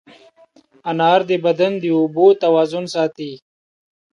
انار د بدن د اوبو توازن ساتي.